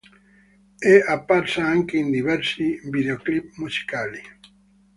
È apparsa, anche, in diversi videoclip musicali.